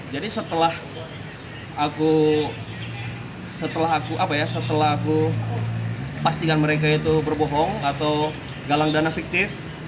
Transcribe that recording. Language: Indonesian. jadi setelah aku pastikan mereka itu berbohong atau galang dana fiktif